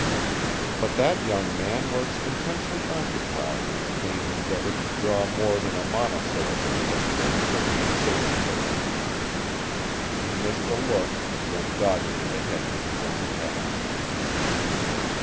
But that young man was intensely occupied in a vain endeavor to draw more than a monosyllable from the shrinking Sadie Burton. He missed the look and went doggedly ahead with his own task.